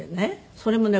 それもね